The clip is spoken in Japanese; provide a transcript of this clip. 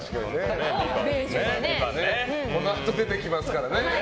このあと出てきますからね。